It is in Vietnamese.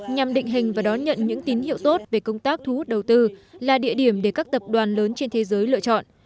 nhằm định hình và đón nhận những tín hiệu tốt về công tác thu hút đầu tư là địa điểm để các tập đoàn lớn trên thế giới lựa chọn